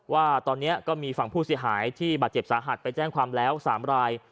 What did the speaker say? ว่าตอนนี้ก็มีฝั่งผู้เสียหายที่บาดเจ็บสาหัสไปแจ้งความแล้ว๓ราย